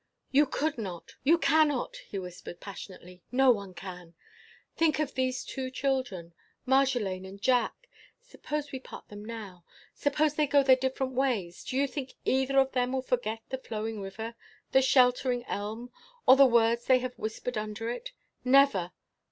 "You could not! You cannot!" he whispered, passionately. "No one can!—Think of these two children: Marjolaine and Jack. Suppose we part them now: suppose they go their different ways: do you think either of them will forget the flowing river, the sheltering elm, or the words they have whispered under it? Never!